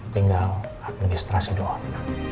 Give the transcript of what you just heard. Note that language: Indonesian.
tinggal administrasi doang